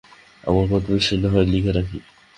আমার কথা বিশ্বাস না-হয়, লিখে রাখি।